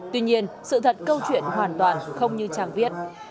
tuy nhiên sự thật câu chuyện hoàn toàn không như trang viết